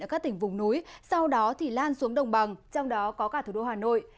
ở các tỉnh vùng núi sau đó thì lan xuống đồng bằng trong đó có cả thủ đô hà nội